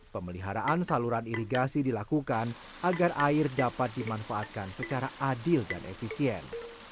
pemeliharaan saluran irigasi dilakukan agar air dapat dimanfaatkan secara adil dan efisien